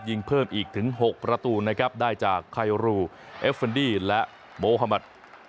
ยิงเพิ่มอีกถึง๖ประตูนะครับได้จากไครูเอฟเฟินดี้และโมฮามัติ